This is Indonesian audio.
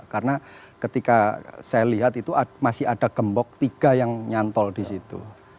karena ketika saya lihat itu masih ada gembok tiga yang nyantol di situ